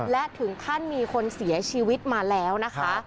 และถึงขั้นมีคนเสียชีวิตมาแล้วนะคะ